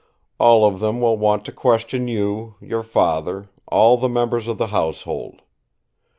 All of them will want to question you, your father, all the members of the household.